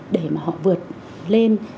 để mà họ vượt lên